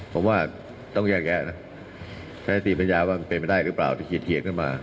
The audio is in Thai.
ผมว่าต้องแยกแยกนะแพทยศีลปัญญาว่าเป็นไม่ได้หรือเปล่าที่เขียนขึ้นมา